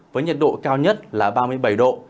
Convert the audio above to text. với nhiệt độ cao nhất là ba mươi bảy độ